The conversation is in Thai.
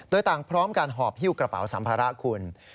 โดยต่างพร้อมการหอบฮิ้วกระเป๋าสัมภาระคุณ